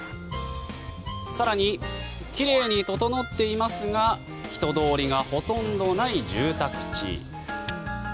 更に、奇麗に整っていますが人通りがほとんどない住宅地。